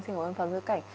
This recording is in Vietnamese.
xin cảm ơn phó giáo sư cảnh